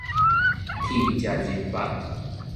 鐵食入腹